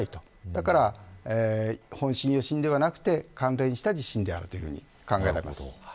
だから本震、余震ではなく関連した地震であると考えられます。